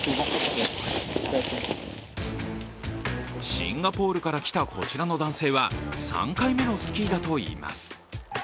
シンガポールから来たこちらの男性は３回目のスキーだといいます